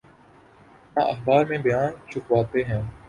نہ اخبار میں بیان چھپواتے ہیں۔